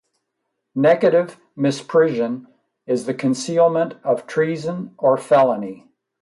Negative misprision is the concealment of treason or felony.